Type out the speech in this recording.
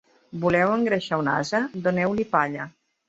Voleu engreixar un ase? Doneu-li palla.